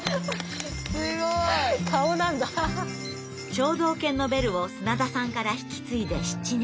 聴導犬のベルを砂田さんから引き継いで７年。